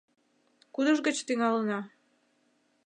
— Кудыж гыч тӱҥалына?